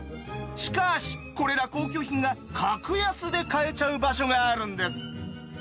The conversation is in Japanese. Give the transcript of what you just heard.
しかしこれら高級品が格安で買えちゃう場所があるんです。